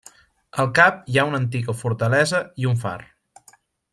Al cap hi ha una antiga fortalesa i un far.